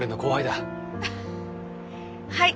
はい。